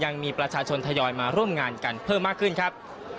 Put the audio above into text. ยังมีประชาชนทยอยมาร่วมงานกันเพิ่มมากขึ้นครับ